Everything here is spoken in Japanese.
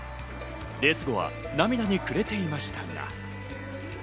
レース後は涙に暮れていました。